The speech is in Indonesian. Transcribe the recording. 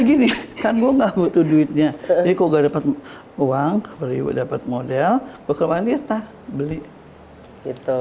gini kan gua nggak butuh duitnya dikubur depan uang beli dapat model kewanita beli itu